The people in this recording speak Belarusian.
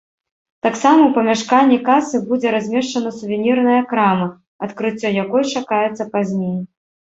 Таксама ў памяшканні касы будзе размешчана сувенірная крама, адкрыццё якой чакаецца пазней.